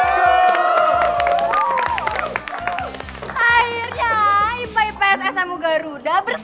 akhirnya ipps ips smu garuda bersatu